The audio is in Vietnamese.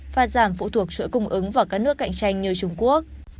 và giảm phụ thuộc chuỗi cung ứng vào các nước cạnh tranh như trung quốc